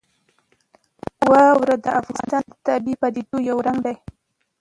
واوره د افغانستان د طبیعي پدیدو یو رنګ دی.